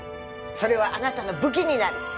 それはあなたの武器になる。